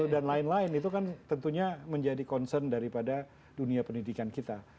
dan lain lain itu kan tentunya menjadi concern daripada dunia pendidikan kita